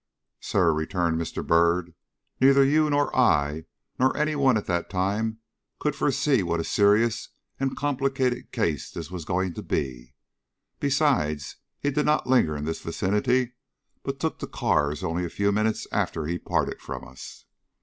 "Sir," returned Mr. Byrd, "neither you nor I nor any one at that time could foresee what a serious and complicated case this was going to be. Besides, he did not linger in this vicinity, but took the cars only a few minutes after he parted from us.